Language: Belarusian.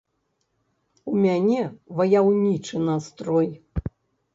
У мяне ваяўнічы настрой.